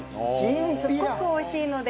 すごく美味しいので。